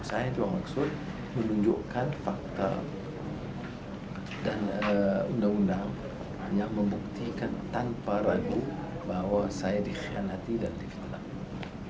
saya cuma maksud menunjukkan fakta dan undang undang yang membuktikan tanpa ragu bahwa saya dikhianati dan dihilangkan